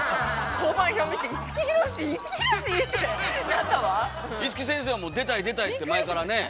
香盤表見て五木先生はもう出たい出たいって前からねえ？